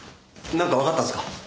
なんかわかったんすか？